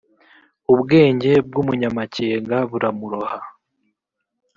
ubwenge bw umunyamakenga buramuroha